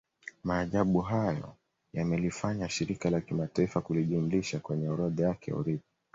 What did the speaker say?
Maajabu hayo yamelifanya Shirika la Kimataifa kulijumlisha kwenye orodha yake ya urithi